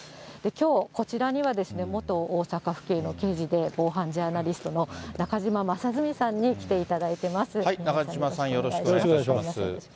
きょう、こちらには元大阪府警の刑事で防犯ジャーナリストの中島正純さん中島さん、よろしくお願いします。